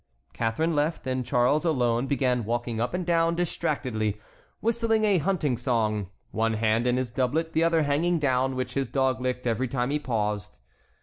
Catharine left, and Charles, alone, began walking up and down distractedly, whistling a hunting song, one hand in his doublet, the other hanging down, which his dog licked every time he paused.